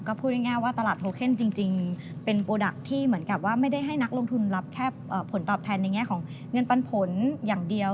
ก็พูดง่ายว่าตลาดโทเคนจริงเป็นโปรดักต์ที่เหมือนกับว่าไม่ได้ให้นักลงทุนรับแค่ผลตอบแทนในแง่ของเงินปันผลอย่างเดียว